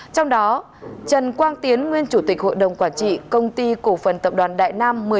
trong đó trần quang tiến nguyên chủ tịch hội đồng quản trị công ty cổ phần tập đoàn đại nam